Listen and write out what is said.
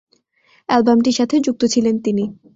অ্যালবামটির সাথে যুক্ত ছিলেন তিনি।